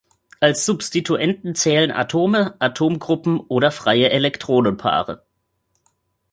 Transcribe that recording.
Als Substituenten zählen Atome, Atomgruppen oder freie Elektronenpaare.